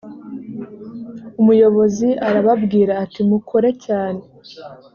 umuyobozi arababwira ati mukore cyane